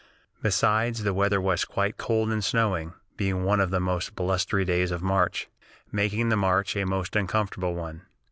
Besides, the weather was quite cold and snowing, being one of the most blustery days of March, making the march a most uncomfortable one.